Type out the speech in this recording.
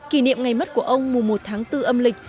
kỷ niệm ngày mất của ông mùa một tháng bốn âm lịch